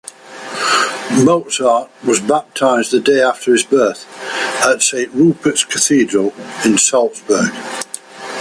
Mozart was baptized the day after his birth, at Saint Rupert's Cathedral in Salzburg.